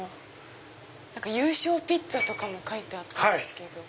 優勝ピッツァとかも書いてあったんですけど。